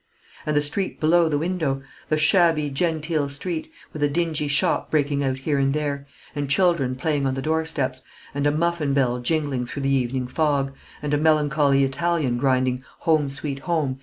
And the street below the window, the shabby genteel street, with a dingy shop breaking out here and there, and children playing on the doorsteps, and a muffin bell jingling through the evening fog, and a melancholy Italian grinding "Home, sweet Home!"